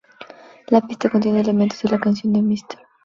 La pista contiene elementos de la canción de Mr.